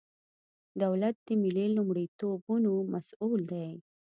دولت د ملي لومړیتوبونو مسئول دی.